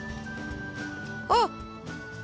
あっ！